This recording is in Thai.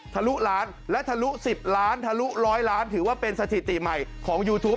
ลุล้านและทะลุ๑๐ล้านทะลุร้อยล้านถือว่าเป็นสถิติใหม่ของยูทูป